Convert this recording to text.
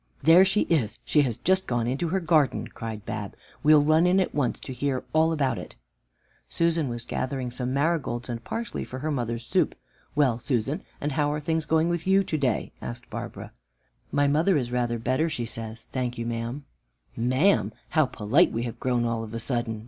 "There she is! She has just gone into her garden," cried Bab; "we'll run in at once and hear all about it." Susan was gathering some marigolds and parsley for her mother's soup. "Well, Susan, and how are things going with you to day?" asked Barbara. "My mother is rather better, she says; thank you, ma'am." "'Ma'am, how polite we have grown all of a sudden!"